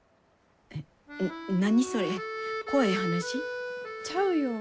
えっ何それ怖い話？ちゃうよ。